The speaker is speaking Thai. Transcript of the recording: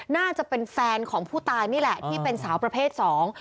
น่าจะเป็นแฟนของผู้ตายนี่แหละที่เป็นสาวประเภทสอง